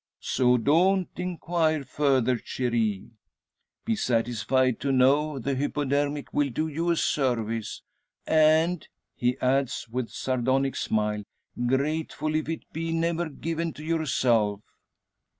So don't enquire further, cherie. Be satisfied to know the hypodermic will do you a service. And," he adds, with sardonic smile, "grateful if it be never given to yourself."